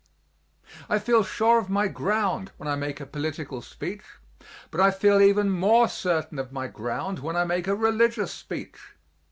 I feel sure of my ground when I make a political speech, but I feel even more certain of my ground when I make a religious speech.